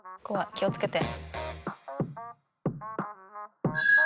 気を付けて。